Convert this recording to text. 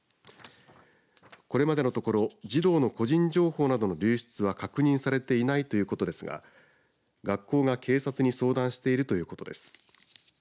これまでのところ児童の個人情報などの流出は確認されていないということですが学校が警察に相談しているということです。